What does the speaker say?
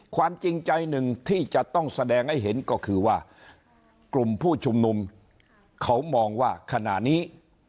ความจริงใจหนึ่งที่จะต้องแสดงให้เห็นก็คือว่ากลุ่มผู้ชุมนุมเขามองว่าขณะนี้